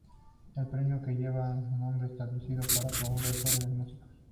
El Premio que lleva su nombre fue establecido para promover jóvenes músicos.